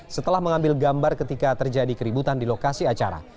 setelah mengambil gambar ketika terjadi keributan di lokasi acara